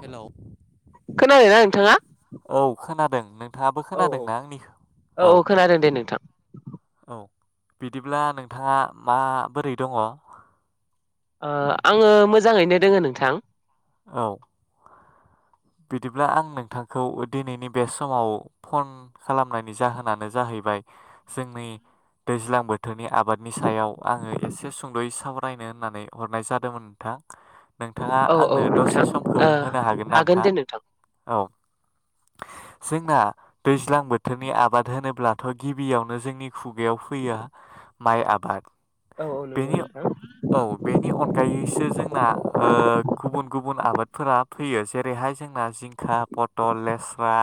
हेल' औ खोनादोंना नोंथाङा? खोनादों नों। नोंथाङाबो औ औ खोनादोंना आंनिखौ औ औ खोनादों दे नोंथां औ औ। बिदिब्ला नोंथाङा माबोरै दङ ओ आङो मोजाङैनो दोङो नोंथां। औ। बिदिब्ला आं नोंथांखौ दिनैनि बे समाव फन खालामनायनि जाहोनानो जाहैयो। जाहैबाय जोंनि। दैज्लां बोथोरनि आबादनि सायाव आङो एसे सुंद'यै सावरायनो होननानै हरनाय जादोंमोन नोंथां। नोंथाङा औ औ आंनो नोंथां दसे समखौ ओ होनो हागोन ना नोंथां। औ। जोंना दैज्लां बोथोरनि आबाद होनोब्लाथ' गिबियावनो जोंनि। खुगायाव फैयो माइ आबाद। औ औ नंगौ बेनि नोंथां। औ बेनि अनगायैसो जोंना गुबुन गुबुन आबाद फोरा फैयो जेरैहाय जों जिंखा पथल लेस्रा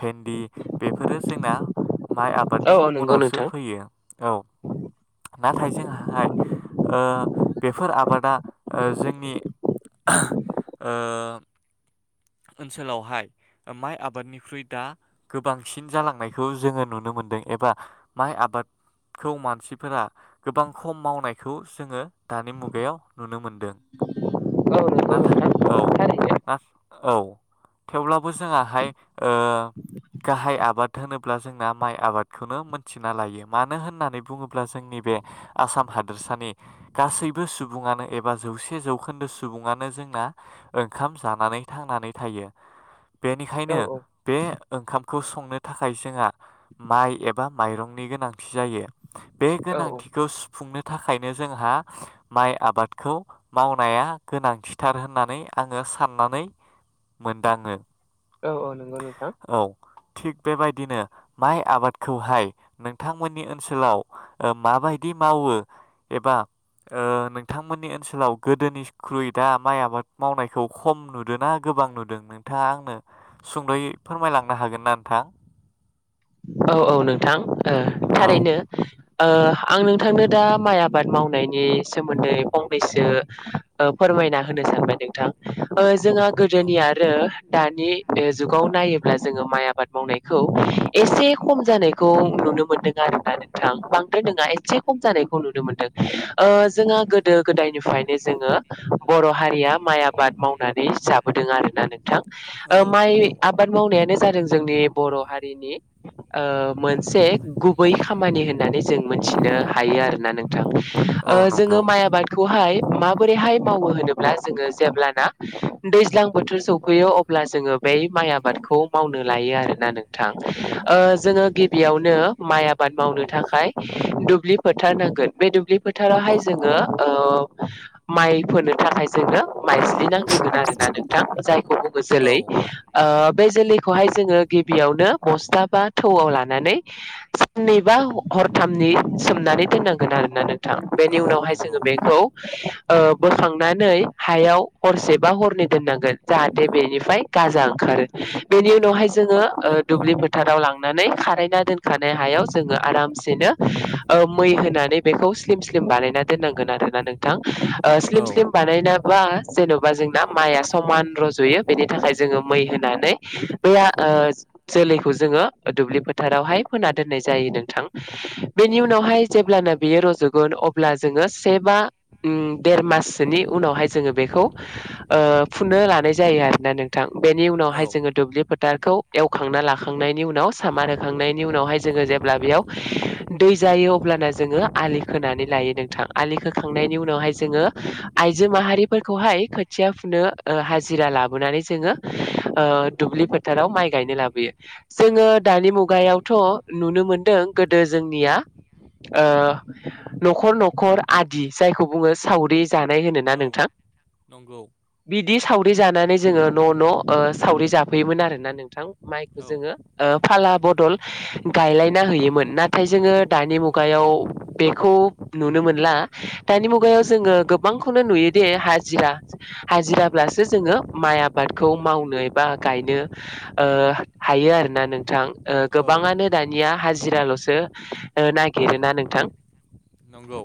भेन्दि बेफोरो जोंना माइ आबाद औ औ नंगौ उनावसो नोंथां फैयो औ नाथाय जोंहा ओ बेफोर आबादा जोंनि ओनसोलावहाय माइ आबादनिख्रुइ दा गोबांसिन जालांनायखौ जोङो नुनो मोनो। मोनदों एबा माइ आबाद खौ मानसिफोरा गोबां खम मावनायखौ जोङो दानि मुगायाव नुनो मोनदों औ नंगौ नाथाय नोंथां औ थारैनो औ थेवब्लाबो जोंआ हाय ओ गाहाय आबाद होनोब्ला जोंना माइ आबादखौनो मोनथिना लायो मानो होननानै बुङोब्ला जोंनि बे आसाम हादोरसानि गासैबो सुबुङानो एबा जौसे जौखोन्दो सुबुङानो जों जोंना ओंखाम जानानै थांनानै थायो औ बेनिखायनो औ बे ओंखाम खौ संनो थाखाय जोंहा माइ एबा माइरंनि गोनांथि जायो बे औ गोनांथिखौ सुफुंनो थाखायनो जोंहा माइ आबादखौ मावनाया गोनांथिथार होननानै आङो साननानै मोनदाङो। औ औ नंगौ नोंथां। औ थिग बेबायदिनो माइ आबादखौहाय नोंथांमोननि ओनसोलाव माबायदि मावो एबा ओ नोंथांमोननि ओनसोलाव गोदोनिख्रुइ दा माइ आबाद मावनायखौ खम नुदों नुदों ना गोबां नुदों नोंथाङा आंनो सुंद'यै फोरमायलांनो हागोन ना नोंथां औ औ नोंथां ओ औ थारैनो ओ आं नोंथांनो दा माइ आबाद मावनायनि सोमोन्दै फंनैसो ओ फोरमा मायना होनो सानबाय नोंथां ओज जोंहा औ गोदोनि आरो दानि ओ जुगाव नायोब्ला जोङो माइ आबाद मावनायखौ एसे खम जानायखौ नुनो मोनदों आरोना नोंथां बांद्राय नङा एसे खम जानायखौ नुनो मोनदों । ओ जोंहा गोदो गोदायनिफ्रायनो जोङो बर' हारिया माइ आबाद मावनानै जाब बोदों आरोना नोंथां ओ औ माइ नंगौ आबाद मावनायानो जादों जोंनि बर' हारिनि ओ। मोनसे गुबै खामानि होननानै जों मिथिनो हायो आरोना नोंथां औ ओ नंगौ जोङो माइ आबादखौहाय माबोरैहाय मावो होनोब्ला जोङो जेब्लाना दैज्लां बोथोर सौफैयो अब्ला जोङो बे माइ आबादखौ मावनो लायो आरोना नोंथां ओ औ जोङो गिबियावनो माइ आबाद मावनो थाखाय दुब्लि फोथार नांगोन बे दुब्लि फोथारावहाय जोङो ओ माइ फोनो थाखाय जोंनो माइज्लि नांग्रोगोन आरोना नोंथां जायखौ बुङो औ जोलै ओ बे जोलैखौहाय जोङो गिबियावनो बस्थाफ बा थौआव लानानै साननै बा हरथामनि सोमनानै दोननांगोन आरोना नों थां बेनि औ उनावहाय नंगौ जोङो औ बेखौ ओ बोखांनानै हायाव हरसे बा हरनै दोननांगोन जाहाथे बेनिफ्राय गाजा ओंखारो । बेनि औ उनावहाय जोङो ओ दुब्लिफोथ थाराव लांनानै खाराइना दोनखानाय हायाव जोङो आरामसे सेनो ओ मै होनानै बेखौ स्लिम स्लिम बानायना दोननांगोन आरोना नोंथां ओ स्लिम स्लाम बानायना बा जेन बा जोंना माइया समान रज'यो बेनि थाखाय जोङो मै होनानै बे आ ओ जोलैखौ जोङो दुब्लि फोथारावहाय फोना दोननाय जायो नोंथां । बेनि उनावहाय जेब्लानो बियो रजग गोन अब्ला जोङो से बा उम देर माससोनि उनावहाय जोङो बेखौ ओ ओ फुनो लानाय जायो आरो ना नोंथां। बेनि उनावहाय औ जोङो दुब्लि फोथारखौ एवखांना ला खांनायनि उनाव सामार होखांनायनि उनावहाय जोङो जेब्ला बेयाव दै जायो अब्लाना जोङो आलि खोनानै लायो नोंथां। आलि खोखांनायनि उनावहाय जोङो आइजो माहारिफोरखौहाय खोथिया फुनो ओ हाजिरा लाबोनानै जोङो ओ दुब्लि फोथाराव माइ गायनो लाबोयो। जोङो नंगौ दानि मुगायावथ' नुनो मोनदों गोदो जोंनिया ओ न'खर न'खर आदि जायखौ बुङो सावरि जानाय होनो ना औ नोंथां? नंगौ बिदि साव रि जानानै जोङो न' न' ओ सावरि जाफैयोमोन आरो ना नोंथां। माइखौ औ जोङो ओ फाला बदल गायलायना होयोमोन। नाथाय जोङो दानि मुगायाव बेखौ नुनो मोनला। दानि मुगायाव जोङो गोबांखौनो नुयोदि हाजिरा हाजिराब्लासो जोङो माइ आबादखौ मावनो एबा गायनो ओ हायो आरो ना नोंथां। ओ औ गोबाङानो दानिया हाजिराल'सो ओ नागिरो ना नोंथां? नंगौ।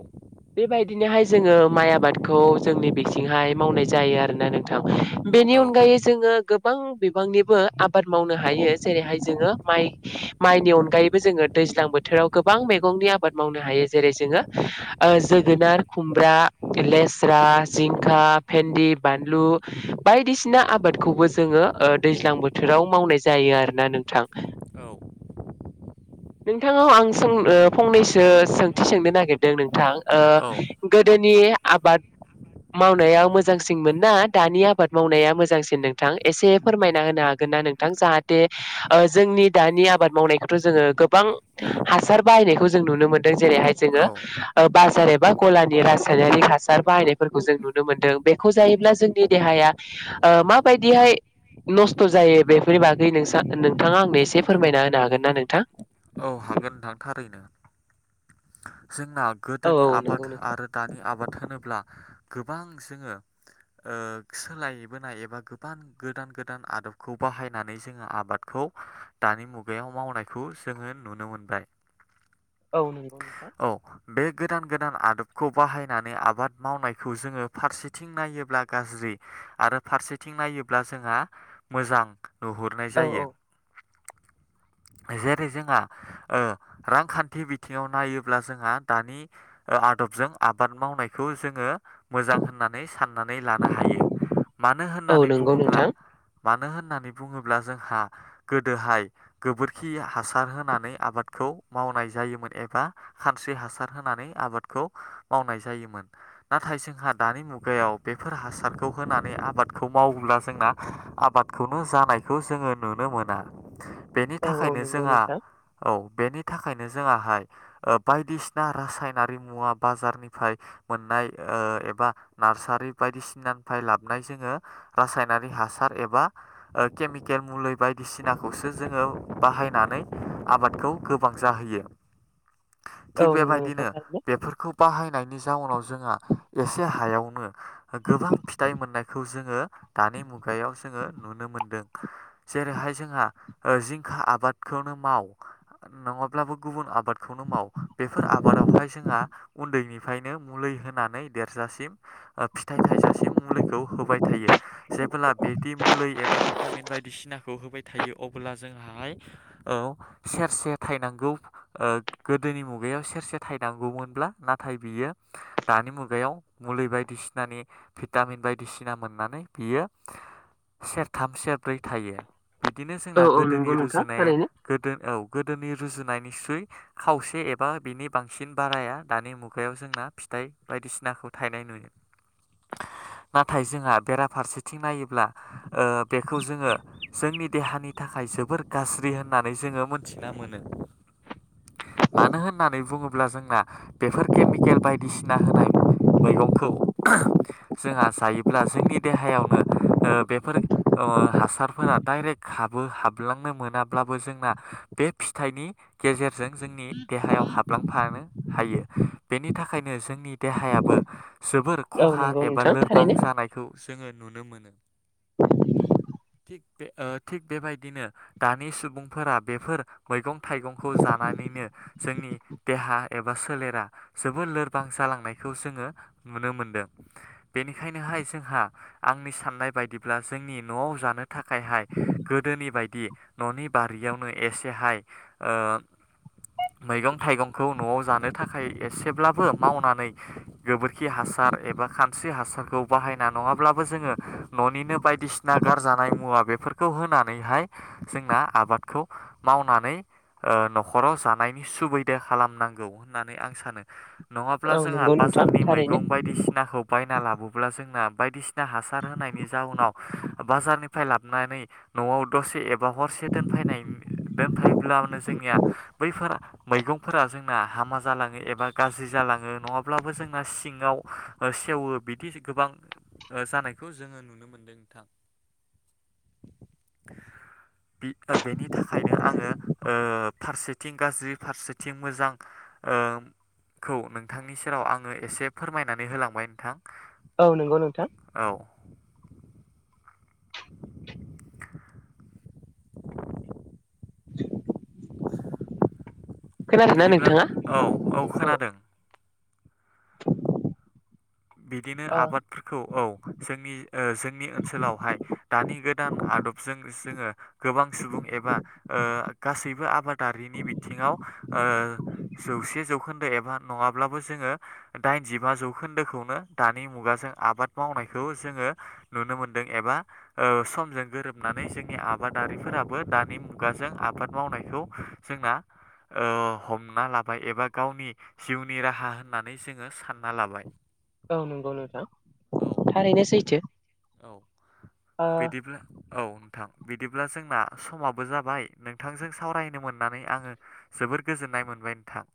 बेबायदिनोहाय जोङो माइ आबादखौ जोंनि बिथिंहाय मावनाय जायो आरो ना नोंथां। बेनि औ अनगायै जोङो गोबां बिबांनिबो आबाद मावनो हायो। जेरैहाय जोङो माइ माइनि अनगायैबो जोङो दैज्लां बोथोराव गोबां मेगंनि आबाद मावनो हायो। जेरै जोङो ओ जोगोनार, खुमब्रा, लेस्रा, जिंखा फेन्दि, बानलु बायदिसिना आबादखौबो जोङो ओ दैज्लां बोथोराव मावनाय जा यो आरो ना नोंथां। नोंथांनाव आं सों ओ फंनैसो सोंथि सोंनो नागिरदों नोंथां। ओ औ औ गो दोनि आबाद मावनायाव मोजांसिनमोन ना दानि आबाद मावनाया मोजांसिन नोंथां एसे फोरमायना होनो हागोन ना नोंथां जाहाथे ओ जोंनि दानि आबाद मावनायखौथ' जोङो गो बां हासार बाहायनायखौ जों नुनो मोनदों। जेरैहाय औ जोङो ओ बाज जेनेबा ग'लानि रासायनारि हासार बाहायनायफोरखौ जों नुनो मोनदों बेखौ जायोब्ला जोंनि देहाया ओ माबायदिहाय नस्थ' जायो बेफोरनि बागै नोंसा नोंथाङा आंनो एसे फोरमायना होनो हागोन ना नोंथां? औ हागोन नोंथां थारैनो। जोंना औ गोदोनि औ आबाद नंगौ नोंथां। आरो दानि आबाद होनोब्ला गोबां जोङो ओ सोलायबोनाय एबा गोबां गोदान गोदान आदबखौ बाहायनानै जोङो आबादखौ खौ दानि मुगायाव मावनायखौ जोङो नुनो मोनबाय। औ नों औ। बे गोदान गोदान आदबखौ बाहायनानै आबाद मावनायखौ जोङो फारसेथिं नायोब्ला गाज्रि आरो फारसेथिं नायोब्ला जोंहा मोजां नुहुरनाय औ जायो। औ जेरै जोंहा ओ रांखान्थि बिथिङाव नायो ब्ला जोंहा दानि ओ आदबजों आबाद मावनायखौ जोङो मोजां होननानै साननानै लानो हायो। मानो औ होननानै नंगौ बुङोब्ला नोंथां। मानो होन नानै बुङोब्ला जोंहा गोदोहाय गोबोरखि हासार होनानै आबादखौ माव नाय जायोमोन एबा खानस्रि हासार होनानै आबादखौ मावनाय जायोमोन। नाथाय जोंहा दानि मुगायाव बेफोर हासारखौ होनानै आबादखौ मावोब्ला जोंना आबादखौनो जानायखौ जोङो नु नो मोना। बेनि औ थाखायनो नंगौ जोङा नोंथां औ बेनि थाखायनो जोंङाहाय ओ बायदिसिना रासायनारि मुवा बाजारनिफ्राय मोननाय ओ एबा नार्सार [unintelligible] बायदिसिनानिफाय लाबनाय जोंङो रासायनारि हासार एबा ओ केमिकेल मुलै बायदिसिनाखौसो जोङो बाहायनानै आबादखौ गोबां जाहोयो । थिग औ नंगौ नोंथां बेबायदिनो थारैनो। बेफोरखौ बाहायनायनि जाउनाव जोंहा एसे हायावनो गोबां फिथाइ मोननायखौ जोङो दानि मुगायाव जोङो नुनो मोनदों। जेरैहाय जोंहा जिंखा आबादखौनो माव नङाब्लाबो गुबुन आबादखौनो माव। बेफोर आबादावहाय जोंहा उन्दैनिफ्रायनो मुलि होनानै देरजासिम ओ फिथाइ। थाइजासिम मुलिखौ होबाय थायो जेबोला बेदि मुलै एबा भिटामिन बायदिसिनाखौ हो बाय थायो अबोला जोंहाहाय औ सेरसे थायनांगौ ओ गो दोनि मुगायाव सेरसे थायनांगौमोनब्ला नाथाय बियो दानि मुगायाव मुलि बायदिसिना नि भिटामिन बायदिसिना मोननानै बियो। सेरथाम सेरब्रै थायो। बिदिनो औ जोंना औ गोदोनि नंगौ नोंथां रुजुनाया थारैनो गोदो औ गोदोनि रुजुनायनिस्रुइ खावसे से एबा बेनि बिनि बांसिन बाराया दानि मुगायाव जोंना फिथाइ बायदिसिनाखौ थायनाय नुयो। नाथाय जोंहा बेराफारसेथिं नायोब्ला ओ बेखौ जोङो जों नि देहानि थाखाय जोबोर गाज्रि होननानै जोङो मोनथिना मोनो। मानो होननानै बुङोब्ला जोंना बेफोर केमिकेल बायदिसिना होनाय मैगंखौ जोंहा जायोब्ला जोंनि देहायावनो ओ बेफोर अ' हासारफोरा डाइरेक्ट हाबो हाबलांनो मोनाब्लाबो जोंना बे फिथाइनि गेजेरजों जोंनि देहायाव हाबलांफानो हायो बेनि थाखायनो जोंनि देहायाबो । जोबोर औ खहा नंगौ एबा नोंथां लोरबां थारैनो जानायखौ जोङो नुनो मोनो। थिक बे ओ थिग बेबायदिनो दानि सुबुंफोरा बेफोर मैगं थाइगंखौ जानानैनो । जोंनि देहा एबा सोलेरा जोबोर लोरबां जालांनायखौ जोङो नुनो मोनदों। बेनिखायनोहाय जोंहा आंनि साननाय बायदिब्ला जोंनि न'आव जानो थाखायहाय। गोदोनि बायदि न'नि बारियावनो एसेहाय ओ । मैगं थाइगंखौ न'आव जानो थाखाय एसेब्लाबो मावनानै गोबोरखि हासार । एबा खानस्रि हासारखौ बाहायना नङाब्लाबो जोङो न'निनो बायदिसिना गारजानाय मुवा बे बेफोरखौ होनानैहाय जोंना आबादखौ मावनानै ओ न'खराव जा नायनि सुबिदा खालामनांगौ होननानै आं सानो। नङाब्ला औ जोंहा नंगौ नोंथां बाजारनि थारैनो मैगं बायदिसिनाखौ। बायना लाबोब्ला जोंना बायदिसिना हासार होनायनि जाउनाव बाजारनिफ्राय लाबोनानै । न'आव दसे एबा हरसे दोनफायनाय दोनफैब्लानो जोंनिया बैफोर मैगंफोरा जोंना हामा जालाङो एबा गाज्रि जालाङो नङाब्लाबो जोंना सिंङाव सेवो बिदि गोबां ओ जानायखौ जोङो नुनो मोनदों नोंथां। [inaudible] बि ओ बेनि थाखायनो आङो ओ फारसे थिं गाज्रि फारसेथिं मोजां ओ खौ नोंथांनि सेराव आङो एसे फोरमायनानै होलांबाय नोंथां। औ नंगौ नोंथां। औ [inaudible] खोनादोंना बिदिब्ला नोंथाङा औ औ खोनादों। बिदिनो आबादफोरखौ औ जोंनि ओ जोंनि ओनसोलावहाय दानि गोदान आ आदबजों जोङो। गोबां सुबुं एबा ओ गासैबो आबादारिनि बिथिंङाव ओ जौसे जौखोन्दो एबा नङाब्लाबो जोङो दाइनजिबा जौखोन्दोखौ । नो दानि मुगाजों आबाद मावनायखौ जोङो नुनो मोनदों एबा ओ समजों गोरोब गोरोबनानै जोंनि आबादारिफोराबो दानि मुगाजों आबाद मावनायखौ जोंना ओ हमना लाबाय एबा गावनि जिउनि राहा होननानै जोङो सानना लाबाय । औ नंगौ नोंथां थारैनो सैथो। औ ओ बिदिब्ला औ नोंथां बिदिब्ला जोंना समाबो जाबाय नोंथांजों सावरायनो मोननानै आङो जोबो जोबोर गोजोननाय मोनबाय नोंथां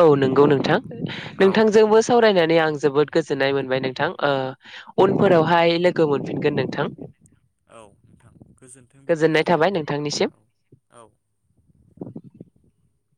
औ नंगौ नोंथां औ। नोंथांजोंबो सावरायनानै आं जोबोद गोजोन्नाय मोनबाय नोंथां ओ उनफोरावहाय लोगो मोनफिनगोन नोंथां औ नोंथां गोजोन्थों बिदिब्ला गोजोननाय थाबाय नोंथां नोंथांनिसिम औ औ [inaudible]